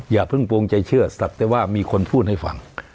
อย่าเพิ่งปวงใจเชื่อสับแต่ว่ามีคนพูดให้ฟัง